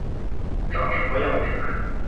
长什么样子